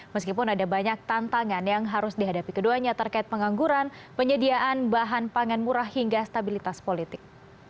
meskipun ada banyak tantangan yang harus dihadapi keduanya terkait pengangguran penyediaan bahan pangan murah hingga stabilitas politik